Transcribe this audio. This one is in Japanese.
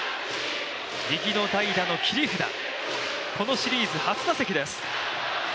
右の代打の切り札、このシリーズ初打席です。